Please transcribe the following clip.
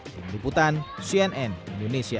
penghubungan cnn indonesia